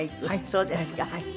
そうですか。